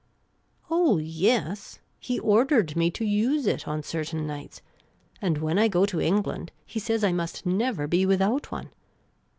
" Oh, yes ; he ordered me to use it on certain nights ; and when I go to England he says I must never be without one.